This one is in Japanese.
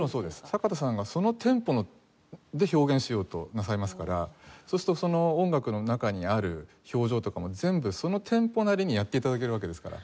阪田さんがそのテンポで表現しようとなさいますからそうするとその音楽の中にある表情とかも全部そのテンポなりにやって頂けるわけですから。